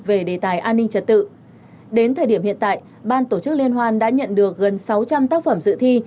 về đề tài an ninh trật tự đến thời điểm hiện tại ban tổ chức liên hoan đã nhận được gần sáu trăm linh tác phẩm dự thi